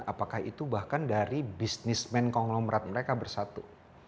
apakah itu bahkan dari bisnismen konglomerat mereka bersatu